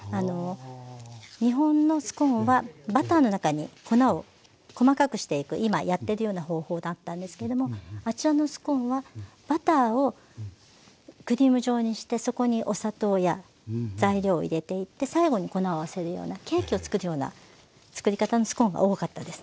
日本のスコーンはバターの中に粉を細かくしていく今やってるような方法だったんですけどもあちらのスコーンはバターをクリーム状にしてそこにお砂糖や材料を入れていって最後に粉を合わせるようなケーキを作るような作り方のスコーンが多かったです。